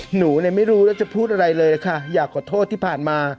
หนูเนี่ยไม่รู้แล้วจะพูดอะไรเลยค่ะอยากขอโทษที่ผ่านมา